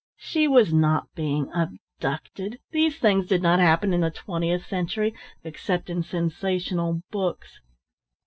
She was not being abducted. These things did not happen in the twentieth century, except in sensational books.